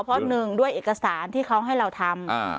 เพราะหนึ่งด้วยเอกสารที่เขาให้เราทำ